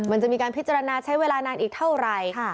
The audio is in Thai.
มันจะมีการพิจารณาใช้เวลานานอีกเท่าไหร่